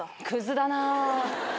くずだな。